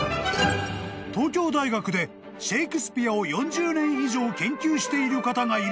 ［東京大学でシェイクスピアを４０年以上研究している方がいると判明］